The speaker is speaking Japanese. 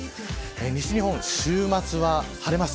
西日本、週末は晴れます。